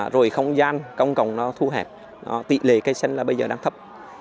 rồi không gian công cộng thu hẹp tỷ lệ cây xanh bây giờ đang thấp